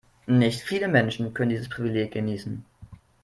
Nicht viele Menschen können dieses Privileg genießen.